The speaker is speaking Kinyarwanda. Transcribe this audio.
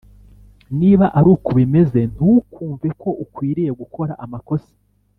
niba ari uko bimeze ntukumve ko ukwiriye gukora amakosa